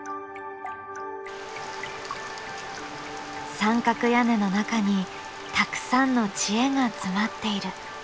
三角屋根の中にたくさんの知恵が詰まっている。